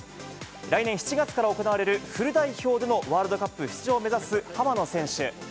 来年７月から行われるフル代表でのワールドカップ出場を目指す浜野選手。